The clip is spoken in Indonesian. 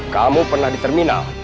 kamu pernah di terminal